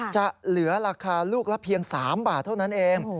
จะเหลือราคาลูกละเพียง๓บาทเท่านั้นเอง